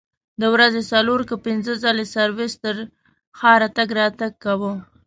د ورځې څلور که پنځه ځلې سرویس تر ښاره تګ راتګ کاوه.